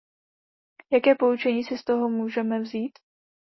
Jaké poučení si z toho můžeme vzít?